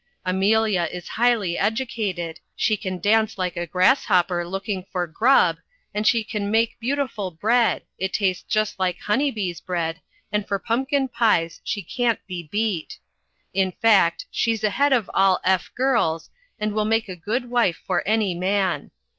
Amelia is highely educated, she can dance like a grasshopper looking for grub and she can meke beautiful bread, it tastes just like hunny bees' bread and for pumpkin pies she can't be beat. In fact she's ahead of all F girls and will make a good wife for any man.